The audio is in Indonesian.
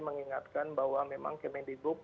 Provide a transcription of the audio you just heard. mengingatkan bahwa memang kmd group